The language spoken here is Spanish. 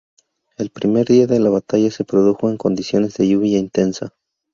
El primer día de la batalla se produjo en condiciones de lluvia intensa.